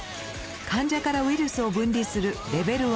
患者からウイルスを分離するレベル１。